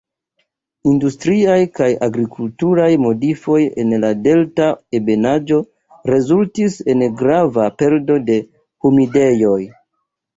Industriaj kaj agrikulturaj modifoj en la delta ebenaĵo rezultis en grava perdo de humidejoj.